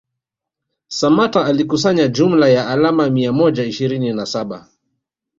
Samatta alikusanya jumla ya alama mia moja ishirini na saba